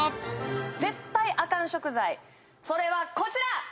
絶対アカン食材それはこちら！